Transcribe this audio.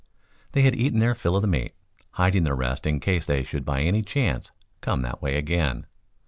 They had eaten their fill of the meat, hiding the rest in case they should by any chance come that way again.